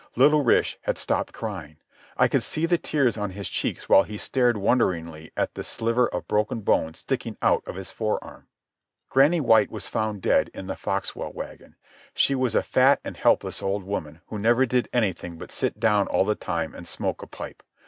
Little Rish had stopped crying. I could see the tears on his cheeks while he stared wonderingly at a sliver of broken bone sticking out of his forearm. Granny White was found dead in the Foxwell wagon. She was a fat and helpless old woman who never did anything but sit down all the time and smoke a pipe.